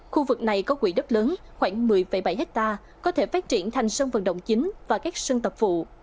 khu vực này có quỹ đất lớn khoảng một mươi bảy hectare có thể phát triển thành sân vận động chính và các sân tập vụ